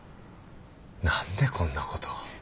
何でこんなことを。